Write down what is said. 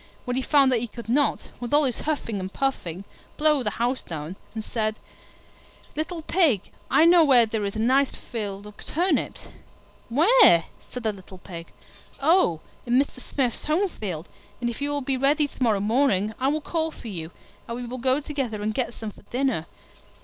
When he found that he could not, with all his huffing and puffing, blow the house down, he said, "Little Pig, I know where there is a nice field of turnips." "Where?" said the little Pig. "Oh, in Mr. Smith's home field; and if you will be ready to morrow morning, I will call for you, and we will go together and get some for dinner."